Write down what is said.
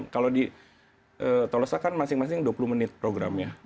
kalau di tolosa kan masing masing dua puluh menit programnya